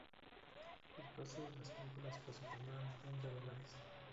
El coste de las películas fue superior al millón de dólares.